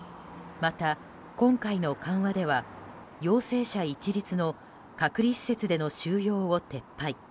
また、今回の緩和では陽性者一律の隔離施設での収容を撤廃。